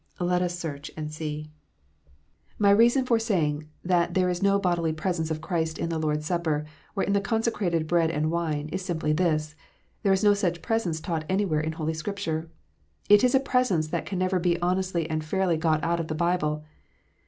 Let us search and see. THE REAL PRESENCE. 205 My reason for saying that there is no bodily presence of Christ in the Lord s Supper or in the consecrated bread and wine, is simply this : there is no such presence taught anywhere in holy Scripture. It is a presence that can never be honestly and fairly got out of the Bible.